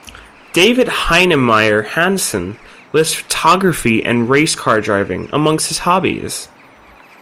David Heinemeier Hansson lists photography and race car driving amongst his hobbies.